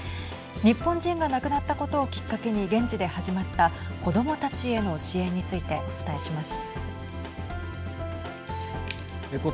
日本人が亡くなったことをきっかけに現地で始まった子どもたちへの支援についてお伝えします。